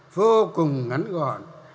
vô cùng ngắn gọn